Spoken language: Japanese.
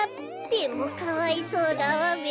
でもかわいそうだわべ。